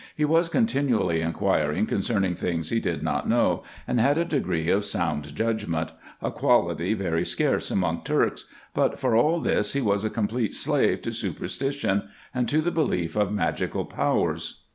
He was continually inquiring concerning things he did not know, and had a degree of 118 RESEARCHES AND OPERATIONS sound judgment ; a quality very scarce among Turks : but for all this he was a complete slave to superstition, and to the belief of magical powers.